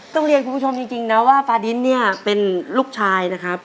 ต้องเรียนคุณผู้ชมจริงนะว่าฟาดินเนี่ยเป็นลูกชายนะครับ